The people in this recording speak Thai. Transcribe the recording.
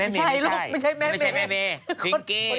ไม่ใช่ลูกไม่ใช่แม่เมพิงกี้